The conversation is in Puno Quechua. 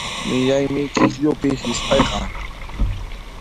Millaymi k'ikllupi hisp'ayqa.